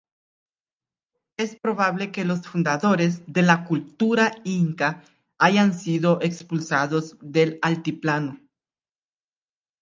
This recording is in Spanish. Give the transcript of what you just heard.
Es probable que los fundadores de la cultura inca hayan sido expulsados del altiplano.